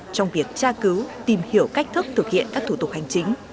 trong việc tra cứu tìm hiểu cách thức thực hiện các thủ tục hành chính